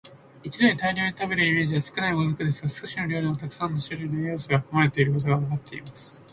一度に大量に食べるイメージは少ない「もずく」ですが、少しの量でもたくさんの種類の栄養素が含まれていることがわかっています。